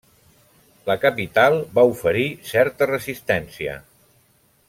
La capital va oferir certa resistència.